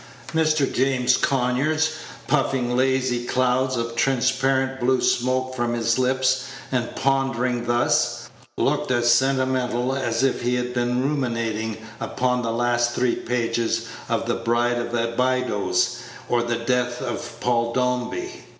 Mr. James Conyers, puffing lazy clouds of transparent blue smoke from his lips, and pondering thus, looked as sentimental as if he had been ruminating upon the last three pages of the Bride of Abydos, or the death of Paul Dombey.